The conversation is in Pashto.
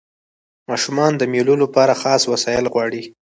ماشومان د مېلو له پاره خاص وسایل غواړي.